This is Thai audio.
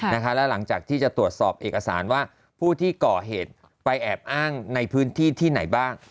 แล้วหลังจากที่จะตรวจสอบเอกสารว่าผู้ที่ก่อเหตุไปแอบอ้างในพื้นที่ที่ไหนบ้าง